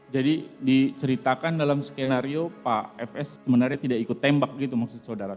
jadi diceritakan dalam skenario pak fs sebenarnya tidak ikut tembak gitu maksud saudara